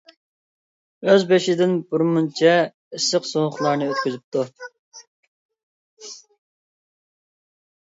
ئۆز بېشىدىن بىرمۇنچە ئىسسىق - سوغۇقلارنى ئۆتكۈزۈپتۇ.